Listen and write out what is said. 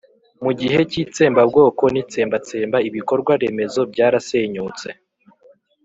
mu gihe cy'itsembabwoko n'itsembatsemba ibikorwa remezo byarasenyutse;